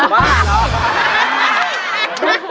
บ๊าย